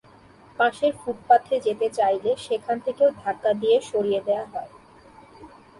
পাশের ফুটপাতে যেতে চাইলে সেখান থেকেও ধাক্কা দিয়ে সরিয়ে দেওয়া হয়।